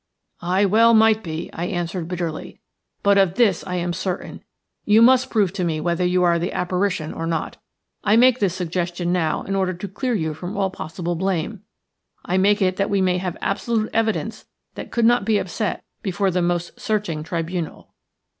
"I well might be," I answered, bitterly. "But of this I am certain: you must prove to me whether you are the apparition or not. I make this suggestion now in order to clear you from all possible blame; I make it that we may have absolute evidence that could not be upset before the most searching tribunal.